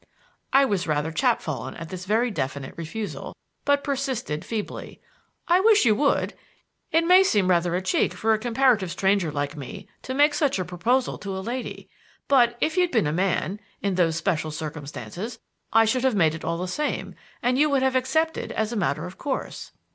I was rather chapfallen at this very definite refusal, but persisted feebly: "I wish you would. It may seem rather a cheek for a comparative stranger like me to make such a proposal to a lady; but if you'd been a man in those special circumstances I should have made it all the same, and you would have accepted as a matter of course."